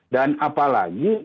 dan apalagi kalau